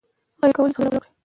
غیبت کول لویه ګناه ده.